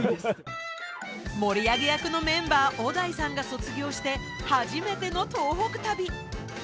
盛り上げ役のメンバー小田井さんが卒業して初めての東北旅。